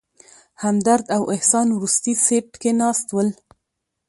همدرد او احسان وروستي سیټ کې ناست ول.